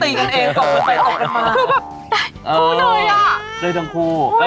มันเลยทั้งคู่